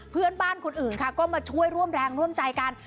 เพื่อนบ้านคนอื่นค่ะก็มาช่วยร่วมแรงร่วมใจกัน